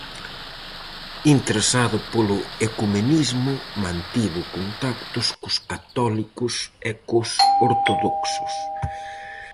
Interesado polo ecumenismo, mantivo contactos cos católicos e cos ortodoxos.